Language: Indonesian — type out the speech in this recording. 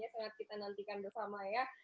tengah kita nantikan dovahmaya